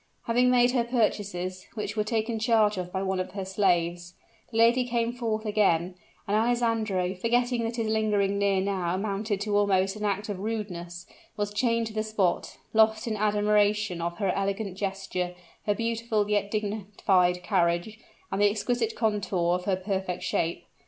Having made her purchases, which were taken charge of by one of the slaves, the lady came forth again; and Alessandro, forgetting that his lingering near now amounted to almost an act of rudeness, was chained to the spot, lost in admiration of her elegant gesture, her graceful yet dignified carriage, and the exquisite contour of her perfect shape.